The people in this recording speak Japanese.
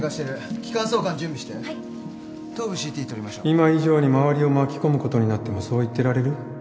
今以上に周りを巻き込むことになってもそう言ってられる？